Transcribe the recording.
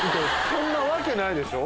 そんなわけないでしょ